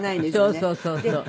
そうそうそうそう。